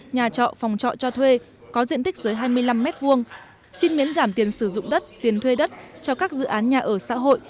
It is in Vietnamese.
nhà trọ phòng trọ cho thuê có diện tích dưới hai mươi năm m hai xin miễn giảm tiền sử dụng đất tiền thuê đất cho các dự án nhà ở xã hội